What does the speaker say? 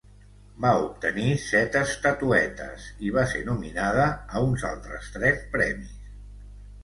Va obtenir set estatuetes i va ser nominada a uns altres tres premis.